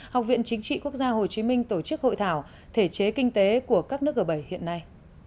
học viện chính trị quốc gia hồ chí minh tổ chức hội thảo thể chế kinh tế của các nước g bảy hiện nay